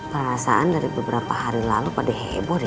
perasaan dari beberapa hari lalu pada heboh ya